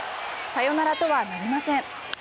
サヨナラとはなりません。